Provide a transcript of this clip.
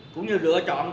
cũng như lựa chọn